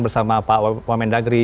bersama pak womendagri